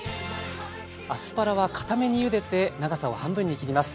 アスパラはかためにゆでて長さを半分に切ります。